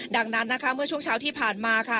ดังนั้นนะคะเมื่อช่วงเช้าที่ผ่านมาค่ะ